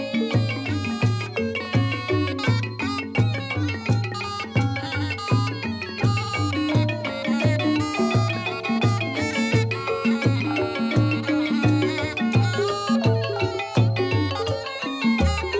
โชคดีครับ